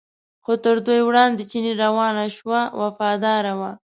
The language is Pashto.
خو تر دوی وړاندې چینی روان شو وفاداره و.